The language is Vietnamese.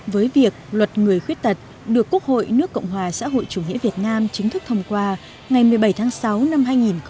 với việc luật người khuyết tật được quốc hội nước cộng hòa xã hội chủ nghĩa việt nam chính thức thông qua ngày một mươi bảy tháng sáu năm hai nghìn một mươi